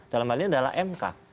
dalam hal ini adalah mk